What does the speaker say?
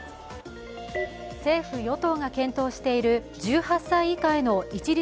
政府・与党が検討している１８歳以下への一律